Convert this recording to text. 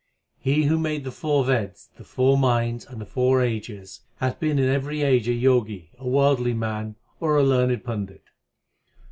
CH. He who made the four Veds, 4 the four mines, 5 and the four ages, 6 Hath been in every age a Jogi, a worldly man, or a learned pandit.